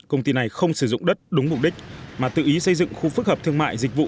công ty này không sử dụng đất đúng mục đích mà tự ý xây dựng khu phức hợp thương mại dịch vụ